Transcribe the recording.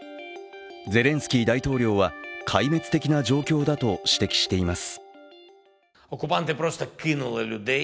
ゼレンスキー大統領は壊滅的な状況だと指摘しています。